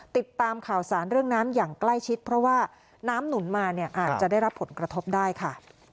ติดตามข่าวสารเรื่องน้ำอย่างใกล้ชิดเพราะว่าน้ำหนุนมาเนี่ยอาจจะได้รับผลกระทบได้ค่ะ